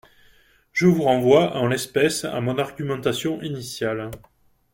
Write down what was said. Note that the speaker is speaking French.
Je vous renvoie, en l’espèce, à mon argumentation initiale.